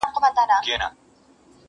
اورنګ زېب ویل پر ما یو نصیحت دی٫